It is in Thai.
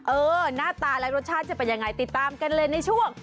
เออหน้าตาและรสชาติจะเป็นยังไงติดตามกันเลยในช่วง